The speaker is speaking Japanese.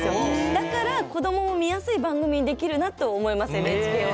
だから、子どもも見やすい番組にできるなって思います、ＮＨＫは。